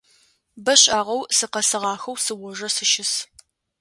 Бэ шӏагъэу сыкъэсыгъахэу сыожэ сыщыс.